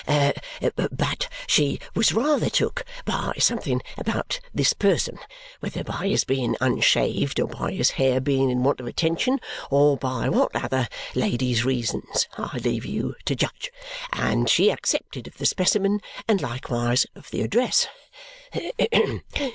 But she was rather took by something about this person, whether by his being unshaved, or by his hair being in want of attention, or by what other ladies' reasons, I leave you to judge; and she accepted of the specimen, and likewise of the address.